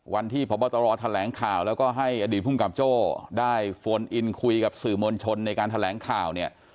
วันที่พระบัตรร้อแถลงข่าวแล้วก็ให้อดีตภูมิกับโจ้ได้โฟนอินคุยกับสื่อมวลชนในการแถลงข่าว